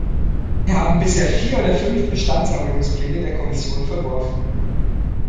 Wir haben bisher vier oder fünf Bestandserholungspläne der Kommission verworfen.